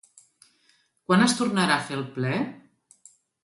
Quan es tornarà a fer el ple?